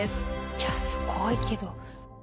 いやすごいけど。